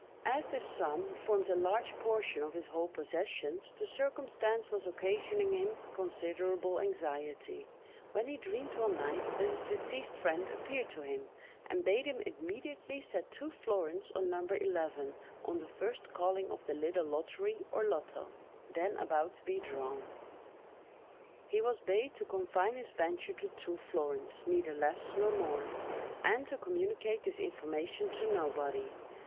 As this sum formed a large portion of his whole possessions, the circumstance was occasioning him considerable anxiety, when he dreamed one night that his deceased friend appeared to him, and bade him immediately set two florins on No. 11, on the first calling of the little lottery, or loto, then about to be drawn. He was bade to confine his venture to two florins, neither less nor more; and to communicate this information to nobody.